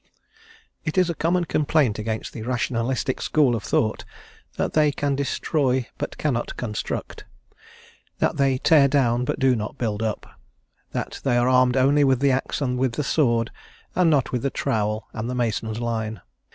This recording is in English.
IT is a common complaint against the Rationalistic school of thought that they can destroy but cannot construct; that they tear down, but do not build up; that they are armed only with the axe and with the sword, and not with the trowel and the mason's line.